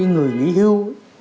người nghỉ hưu